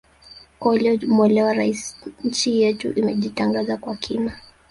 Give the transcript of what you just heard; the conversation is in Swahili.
Kwa waliomuelewa Rais nchi yetu imejitangaza kwa kina